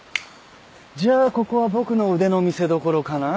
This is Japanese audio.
じゃあここは僕の腕の見せどころかな。